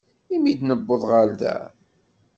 Imi d-newweḍ ɣer da.